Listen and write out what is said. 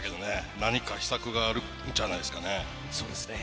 何か秘策があるんじゃないですか。